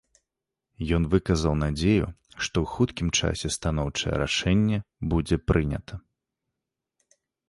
Ён выказаў надзею, што ў хуткім часе станоўчае рашэнне будзе прынята.